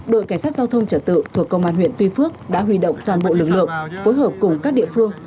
đội cảnh sát giao thông trật tự thuộc công an huyện tuy phước đã huy động toàn bộ lực lượng phối hợp cùng các địa phương